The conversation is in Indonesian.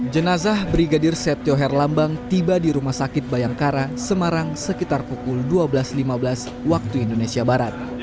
jenazah brigadir setio herlambang tiba di rumah sakit bayangkara semarang sekitar pukul dua belas lima belas waktu indonesia barat